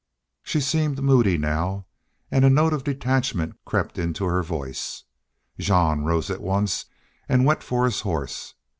She seemed moody now, and a note of detachment crept into her voice. Jean rose at once and went for his horse.